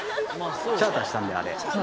チャーターしたんで、あれ。